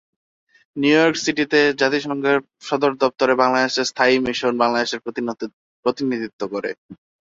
New York সিটিতে জাতিসংঘ সদর দফতরে বাংলাদেশের স্থায়ী মিশন বাংলাদেশের প্রতিনিধিত্ব করে।